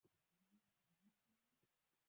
wakili ojwang kina akiwa nairobi